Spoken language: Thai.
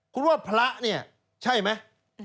คุณว่าพระเนี่ยใช่ไหม